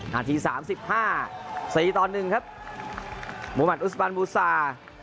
นัดที่๓๕๔ตอนหนึ่งครับมุมมัดอุสบันบุษา